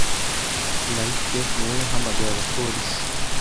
Mike ni we wahamagaye abapolisi.